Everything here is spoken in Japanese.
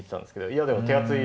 いやでも手厚い。